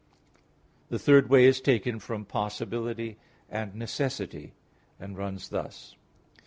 The third way is taken from possibility and necessity, and runs thus.